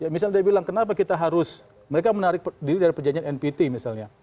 misalnya dia bilang kenapa kita harus mereka menarik diri dari perjanjian npt misalnya